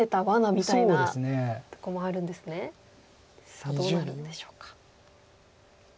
さあどうなるんでしょうか。